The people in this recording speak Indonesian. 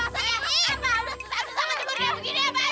ya begini apa aja